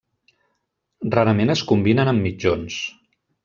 Rarament es combinen amb mitjons.